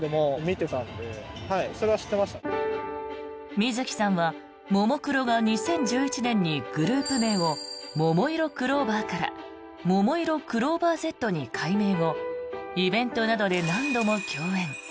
水木さんはももクロが２０１１年にグループ名をももいろクローバーからももいろクローバーＺに改名後イベントなどで何度も共演。